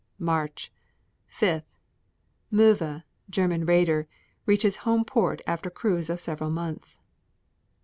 March 5. Moewe, German raider, reaches home port after a cruise of several months.